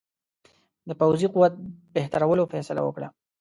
د پوځي قوت بهترولو فیصله وکړه.